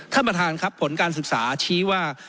ท่านประธานครับผลการศึกษาชี้ว่า